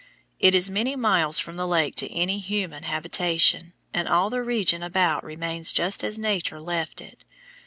It is many miles from the lake to any human habitation, and all the region about remains just as Nature left it.